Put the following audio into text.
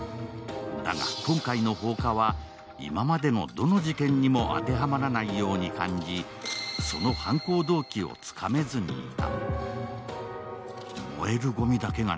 だが、今回の放火は今までのどの事件にも当てはまらないように感じその犯行動機をつかめずにいた。